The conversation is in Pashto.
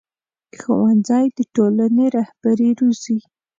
ښوونځی د ټولنې رهبري روزي